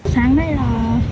sáng nay là